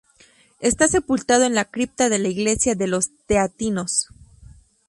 Está sepultado en la cripta de la Iglesia de los Teatinos.